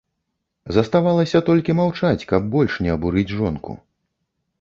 Заставалася толькі маўчаць, каб больш не абурыць жонку.